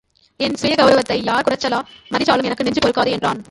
என் சுயகெளரவத்தை யார் குறைச்சலா மதிச்சாலும் எனக்கு நெஞ்சு பொறுக்காது என்றான்.